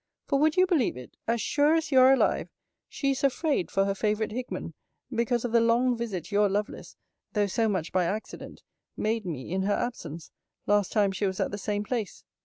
For, would you believe it? as sure as you are alive, she is afraid for her favourite Hickman, because of the long visit your Lovelace, though so much by accident, made me in her absence, last time she was at the same place.